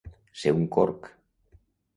Ser un corc.